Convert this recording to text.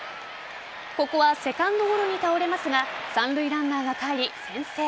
ここはセカンドゴロに倒れますが三塁ランナーがかえり先制。